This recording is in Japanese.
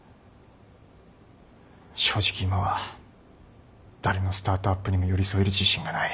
正直今は誰のスタートアップにも寄り添える自信がない。